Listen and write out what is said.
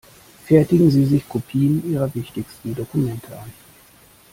Fertigen Sie sich Kopien Ihrer wichtigsten Dokumente an.